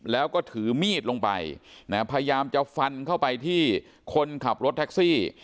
แล้วก็ถือมีดลงไปพยายามจะฟันเข้าไปที่คนขับรถแท็กซี่